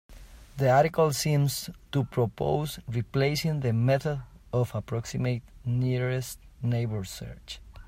The article seems to propose replacing the method of approximate nearest neighbor search.